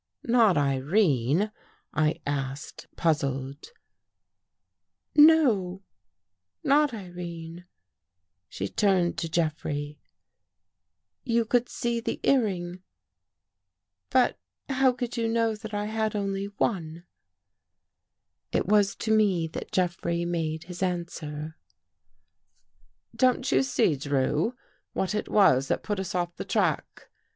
" Not Irene? " I asked, puzzled. " No. Not Irene." She turned to Jeffrey. You could see the earring. But how could you know that I had only one? " It was to me that Jeffrey made his answer. 294 THE WATCHERS AND THE WATCHED " Don't you see, Drew, what it was that put us off the track?